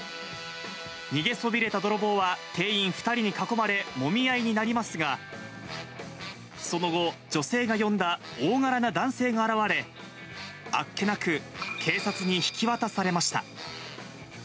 逃げそびれた泥棒は、店員２人に囲まれ、もみ合いになりますが、その後、女性が呼んだ大柄な男性が現れ、あっけなく警察に引き渡されました。